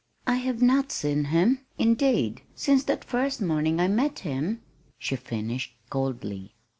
"I have not seen him, indeed, since that first morning I met him," she finished coldly.